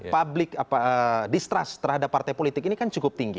public distrust terhadap partai politik ini kan cukup tinggi